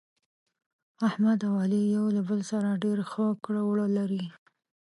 احمد او علي یو له بل سره ډېر ښه کړه وړه لري.